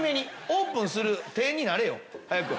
オープンする手になれよ早く！